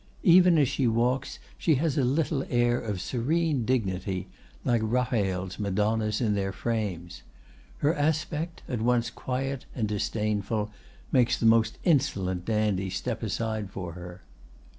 Even as she walks she has a little air of serene dignity, like Raphael's Madonnas in their frames. Her aspect, at once quiet and disdainful, makes the most insolent dandy step aside for her.